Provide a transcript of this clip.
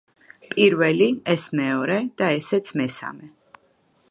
პირველი, ეს მეორე და ესეც მესამე.